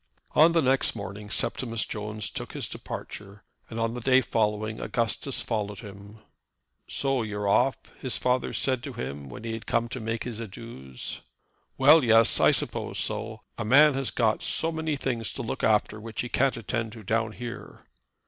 On the next morning Septimus Jones took his departure, and on the day following Augustus followed him. "So you're off?" his father said to him when he came to make his adieux. "Well, yes; I suppose so. A man has got so many things to look after which he can't attend to down here."